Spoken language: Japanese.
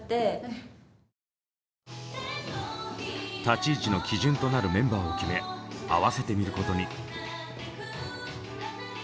立ち位置の基準となるメンバーを決め合わせてみることに。